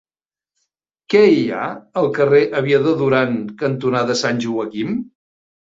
Què hi ha al carrer Aviador Durán cantonada Sant Joaquim?